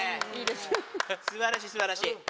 素晴らしい素晴らしい。